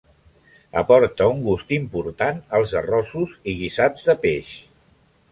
Aporta un gust important als arrossos i guisats de peix.